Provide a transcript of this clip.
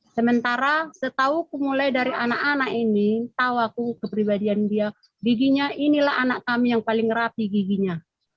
sementara setahuku mulai dari anak anak ini tahu aku kepribadian dia giginya inilah anak kami yang paling rapi giginya